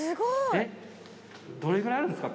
どれぐらいあるんですか？